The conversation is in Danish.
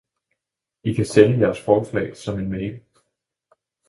I kan sende jeres forslag som en mail